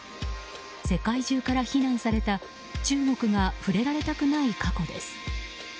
世界中から非難された中国が触れられたくない過去です。